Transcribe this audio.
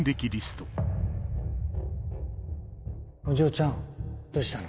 お嬢ちゃんどうしたの？